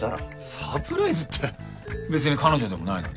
サプライズって別に彼女でもないのに？